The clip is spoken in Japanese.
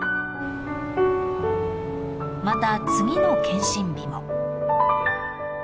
［また次の健診日も］